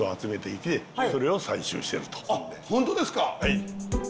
はい。